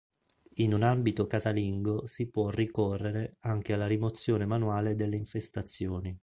In un ambito casalingo si può ricorrere anche alla rimozione manuale delle infestazioni.